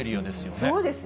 そうですね。